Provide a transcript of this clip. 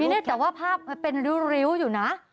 มีนึกว่าภาพเป็นริ้วอยู่นะ